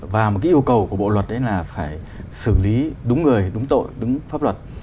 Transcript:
và một cái yêu cầu của bộ luật đấy là phải xử lý đúng người đúng tội đúng pháp luật